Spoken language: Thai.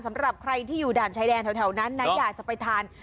สำหรับใครที่อยู่ด่านชายแดนแถวนั้นนะอยากจะไปทาน